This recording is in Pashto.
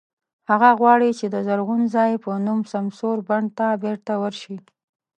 هغه غواړي چې د "زرغون ځای" په نوم سمسور بڼ ته بېرته ورشي.